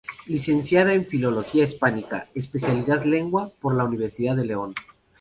Licenciada en Filología Hispánica, especialidad Lengua, por la Universidad de León.